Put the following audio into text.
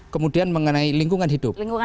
kemudian mengenai lingkungan hidup